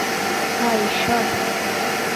হায়, ইশ্বর।